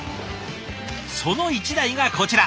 その一台がこちら。